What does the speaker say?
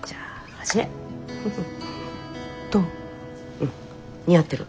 うん似合ってる。